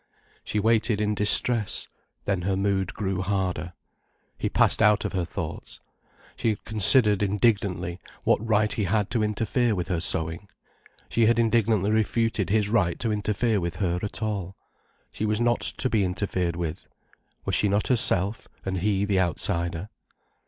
She waited in distress—then her mood grew harder. He passed out of her thoughts. She had considered indignantly, what right he had to interfere with her sewing? She had indignantly refuted his right to interfere with her at all. She was not to be interfered with. Was she not herself, and he the outsider.